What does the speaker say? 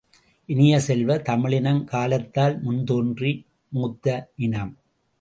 இனிய செல்வ, தமிழினம் காலத்தால் முன்தோன்றி மூத்த இனம்.